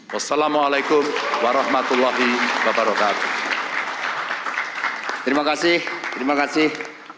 wassalamualaikum warahmatullahi wabarakatuh